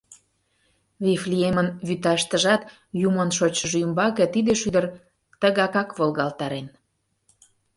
Вифлеемын вӱташтыжат Юмын Шочшыжо ӱмбаке тиде шӱдыр тыгакак волгалтарен.